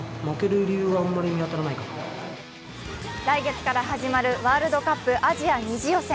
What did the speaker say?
来月から始まるワールドカップアジア２次予選